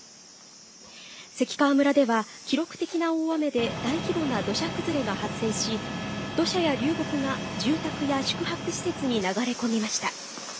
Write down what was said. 関川村では、記録的な大雨で、大規模な土砂崩れが発生し、土砂や流木が住宅や宿泊施設に流れ込みました。